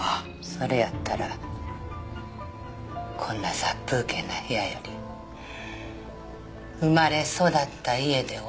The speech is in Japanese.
それやったらこんな殺風景な部屋より生まれ育った家で終わりたい。